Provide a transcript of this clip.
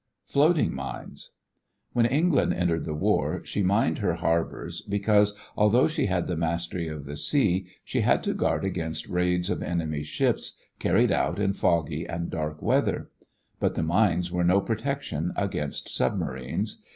FLOATING MINES When England entered the war she mined her harbors because, although she had the mastery of the sea, she had to guard against raids of enemy ships carried out in foggy and dark weather. But the mines were no protection against submarines.